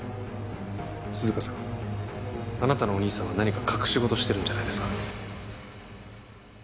涼香さんあなたのお兄さんは何か隠し事をしてるんじゃないですか？